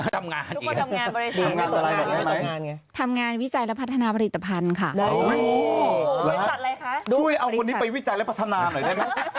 ดูเอาวิจารณ์ไปวิจารณ์และพัฒนาหน่อยด้วย